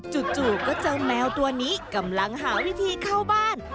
จู่ก็เจอแมวตัวนี้กำลังหาวิธีเข้าบ้าน